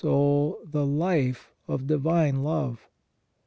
21 soul the life of divine love.